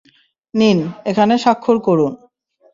নিন, এখানে স্বাক্ষর করুন।